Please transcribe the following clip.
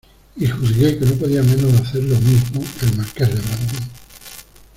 y juzgué que no podía menos de hacer lo mismo el Marqués de Bradomín.